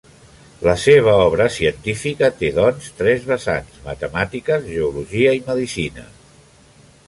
La seva obra científica té, doncs, tres vessants: matemàtiques, geologia i medicina.